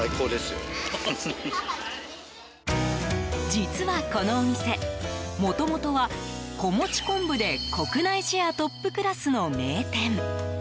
実は、このお店もともとは子持ち昆布で国内シェアトップクラスの名店。